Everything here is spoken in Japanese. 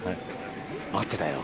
待ってたよ。